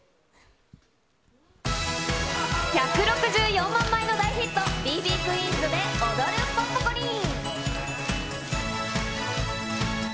１６４万枚の大ヒット、Ｂ．Ｂ．クィーンズで、おどるポンポコリン。